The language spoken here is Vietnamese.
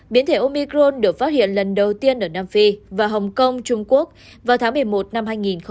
biến thể omicron được phát hiện lần đầu tiên ở nam phi và hồng kông trung quốc vào tháng một mươi một năm hai nghìn một mươi chín